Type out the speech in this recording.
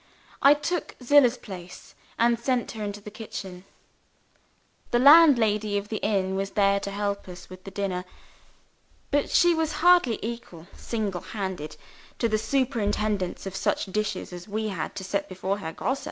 I took Zillah's place, and sent her into the kitchen. The landlady of the inn was there to help us with the dinner. But she was hardly equal, single handed, to the superintendence of such dishes as we had to set before Herr Grosse.